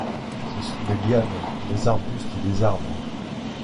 Ce sont des lianes, des arbustes et des arbres.